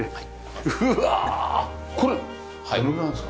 うわあこれどのぐらいあるんですか？